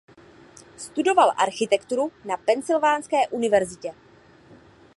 Studoval architekturu na Pensylvánské univerzitě.